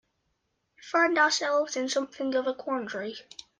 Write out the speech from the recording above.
We find ourselves in something of a quandary.